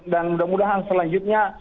dan mudah mudahan selanjutnya